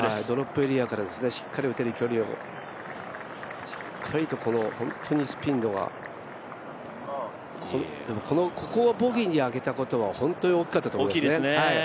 ドロップエリアからしっかり打てる距離をしっかりと本当にスピン度がこのここをボギーに上げたことは本当に大きかったですね。